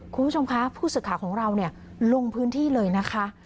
คุณผู้ชมคะผู้ศึกขาของเราลงพื้นที่เลยนะคะ